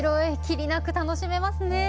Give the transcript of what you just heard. キリなく楽しめますね。